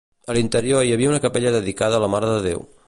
A l'interior hi havia una capella dedicada a la Mare de Déu.